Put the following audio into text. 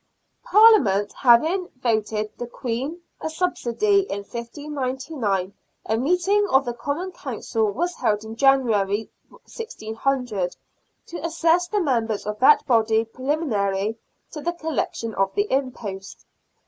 Parliament having voted the Queen a subsidy in 1599, a meeting of the Common Council was held in January, 1600, to assess the members of that body preliminary to the collection of the impost.